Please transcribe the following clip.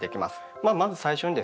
まあまず最初にですね